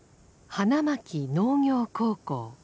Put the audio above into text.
花巻農業高校。